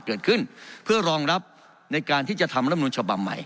เกิดขึ้นเพื่อรองรับในการที่จะทำรำนูลฉบับใหม่